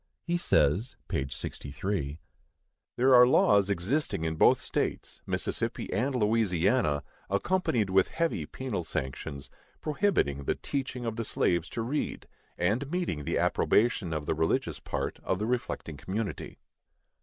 He says (p. 63): There are laws existing in both states, Mississippi and Louisiana, accompanied with heavy penal sanctions, prohibiting the teaching of the slaves to read, and meeting the approbation of the religious part of the reflecting community.